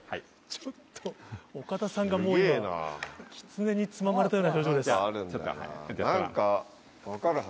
ちょっと岡田さんがキツネにつままれたような表情です。